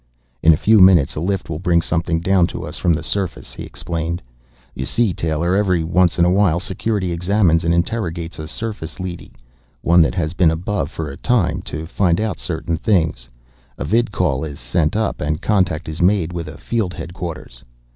"In a few minutes, a lift will bring something down to us from the surface," he explained. "You see, Taylor, every once in a while Security examines and interrogates a surface leady, one that has been above for a time, to find out certain things. A vidcall is sent up and contact is made with a field headquarters.